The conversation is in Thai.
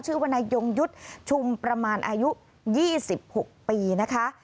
วนายยงยุทธ์ชุมประมาณอายุ๒๖ปีนะคะ